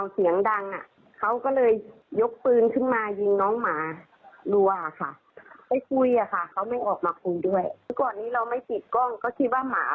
คิดว่าหมาไปมีแผลอะไรเนี่ยเราก็ไม่มีหลักฐานเนี่ยครับ